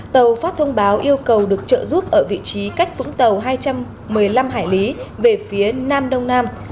tàu phát thông báo yêu cầu được trợ giúp ở vị trí cách vũng tàu hai trăm một mươi năm hải lý về phía nam đông nam